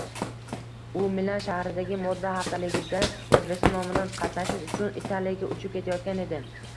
U Milan shahridagi moda haftaligida O‘zbekiston nomidan qatnashish uchun Italiyaga uchib ketayotgan edi